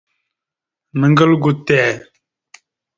Naŋga algo te.